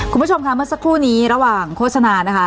คุณผู้ชมค่ะเมื่อสักครู่นี้ระหว่างโฆษณานะคะ